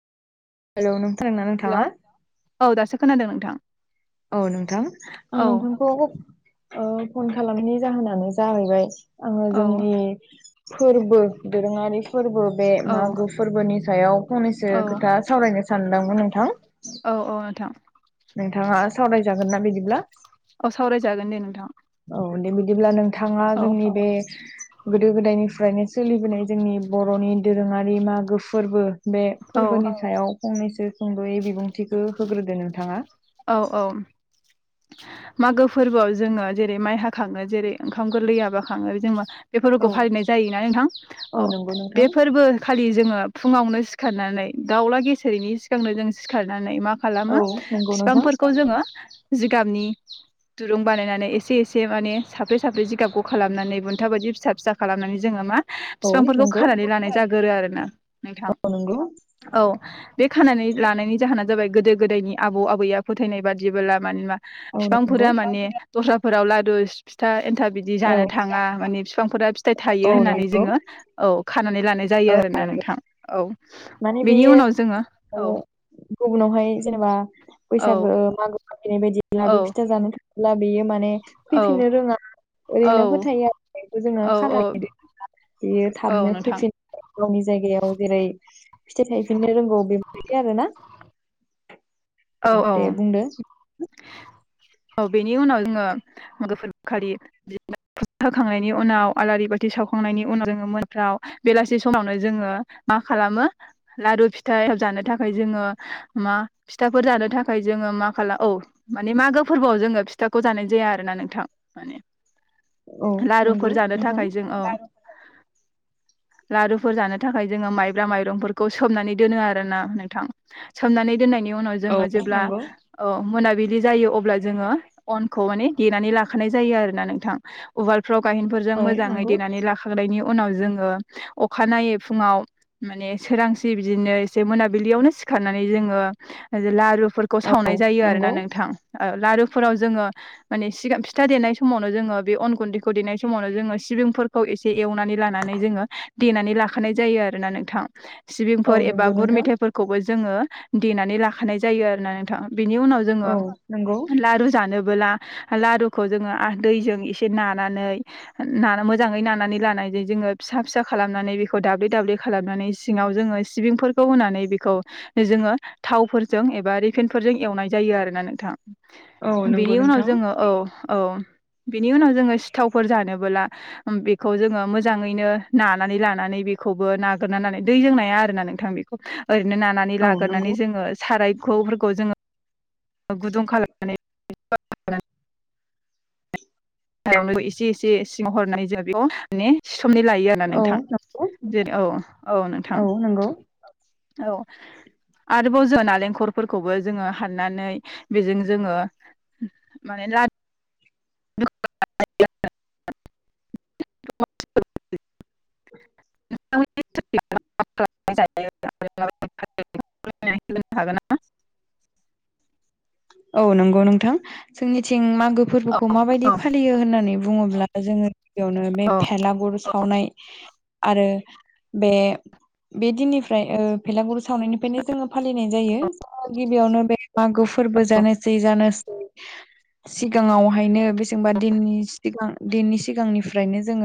Hello नोंथांना [unintelligible] हेल' नोंथाङा औ दासो खोनादों नोंथां औ नोंथां आं औ नोंथांखौ ओ फन खालामनि जाहोनानो जाहैबाय आङो औ जोंनि फोरबो दोरोङारि फोरबो बे औ मागो फोरबोनि सायाव फंनैसो औ खोथा सावरायनो सानदोंमोन नोंथां औ औ नोंथां नोंथाङा सावरायजागोन ना बिदिब्ला अ सावरायजागोन दे नोंथां औ दे बिदिब्ला नोंथाङा औ जोंनि बे गोदो गोदायनिफ्रायनो सोलिबोनाय जोंनि बर'नि दोरोङारि मागो फोरबो बे औ फोरबोनि सायाव फंनैसो सुंद'यै बिबुंथिखौ होग्रोदो नोंथाङा औ औ मागो फोरबोयाव जोङो जेरै माइ हाखाङो जेरै ओंखाम गोरलै माबा खाङो जोङो बे औ फोरबोखौ फालिनाय जायोना नोंथां औ नंगौ बे नोंथां फोरबो खालि जोङो फुङावनो सिखारनानै दाउला गेसेरैनि सिगांनो जों सिखारनानै मा औ खालामो नंगौ नोंथां बिफांफोरखौ जोङो जिगाबनि दुरुं बानायनानै एसे एसे माने साफ्रै साफ्रै जिगाब ग' खालामनानै बुन्था बायदि फिसा फिसा खालामनानै जोङो मा औ बिफांफोरखौ नंगौ खानानै लानाय जागोरो आरोना नोंथां। औ नंगौ औ बे खानानै लानायनि जाहोना जाबाय गोदो गोदानि आबौ आबैया फोथायनाय बादिबो माना औ नंगौ बिफांफोरा माने दस्राफोराव दुस फिथा एन्था बिदि औ जानो थाङा माने बिफांफोरा फिथाइ थायो औ होननानै नंगौ जोङो औ खानानै लानाय जायो औ आरो। ना नोंथां औ माने बेनि बेयो उनाव जोङो औ गुबुनावहाय जेनेबा औ बैसागो मागो जेरैबायदि औ लाबोु फिथा जानो थाङोला बेयो माने औ फैफिननो रोङा औ ओरैनो फोथायो आरो जोंना औ औ खानाय बियो औ थाबनो नोंथां फैफिन गावनि जायगायाव जेरै फिथाइ थायफिननो रोंगौ बेबायदि आरो ना औ दे बुंदो औ बेनि उनाव जोङो मागो फोरबो खालि [unintelligible] होखांनायनि उनाव आलारि बाथि सावखांनायनि उनाव जोङो मोनफ्राव बेलासि समावनो जोङो म मा खालामो लारु फिथाइ जानो थाखाय जोङो मा फिथाफोर जानो थाखाय जोङो मा खाला औ माने मागो फोरबोआव जोङो फिथाखौ जानाय जाया आरोना नोंथां माने औ नंगौ लारुफोर जानो नोंथां थाखाय जों औ लारुफोर जानो थाखाय जोङो माइब्रा माइरंफोरखौ सोमनानै दोनो आरोना नोंथां सोमनानै दनायनि उनाव औ जोङो जेब्ला नंगौ मोना बिदि जायो अब्ला जोङो आंखौ माने देनानै लानाय जायो आरोना नोंथां। औ गाइहेनफोरजों मोजाङै नंगौ देनानै लाखांनायनि उनाव जोङो अखानायनायै फुङाव माने सोरांसि बिदिनो एसे मोनाबिलियावनो सिखारनानै जोङो लारुफोरखौ औ सावनाय जायो आरोना नंगौ नों लारुफोराव जोङो माने सिगां फिथा देनाय समावनो जोङो बे अन गुन्दैखौ देनाय समावनो जोङो सिबिंफोरखौ एसे एवनानै लानानै जोङो देनानै लाखानाय जायो आरोना नोंथां औ सिबिंफोर एबा नंगौ गुर नोंथां मेथायाइफोरखौबो जोङो देनानै लाखानाय जायो आरोना नोंथां। बिनि उनाव जोङो औ नंगौ लारु जानोबो लारुखौ जोङो दैजों एसे नानानै मोजाङै नानानै लानाय जोङो फिसा फिसा खालामनानै बेखौ दाब्लि दाब्लि खालामनानै सिङाव जोङो सिबिंफोरखौ होनानै बेखौ जोङो थावफोरजों एबा रिफेनफोरजों एवनाय जायो आरो ना नों थां औ नंगौ बेनि उनाव नोंथां जोङो औ औ बेनि उनाव जोङो सिथावफोर जानबोला बेखौ जोङो मोजाङैनो नानानै लानानै बे खौबो नागिरनानैनानै दै जोंनाया आरो ना नोंथां बेखौ ओरैनो नानानै औ लाग्रोनानै नंगौ जोङो सारायखौफोरखौ जोङो गुदुं खालामनानै एसे एसे सिङाव हरनानै जोङो एसे समनि लायो आरोना औ नोंथां नंगौ जेरै औ औ नोंथां औ आरोबाव जों नालेंखरफोरखौबो जोङो हाननानै बेजों जोङो माने [unintelligible] [inaudible] [unintelligible] [unintelligible] औ नंगौ नोंथां जोंनिथिं मागो औ फोरबोखौ माबायदि औ फालियो होननानै बुङोब्ला जोङो गिबियावनो बे औ भेलागुर सावनाय आरो बे बे दिननिफ्राय ओ भेलागुरु सावनायनिफ्रायनो जोङो फालिनाय जायो गिबियावनो बे मागो फोरबो जानोसै जानोसै सिगाङावहायनो बेसेबांबा दिनि सिगां दिननि सिगांनिफ्रायनो जोङो